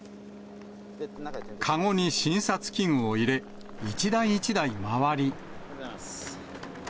籠に診察器具を入れ、一台一台回り。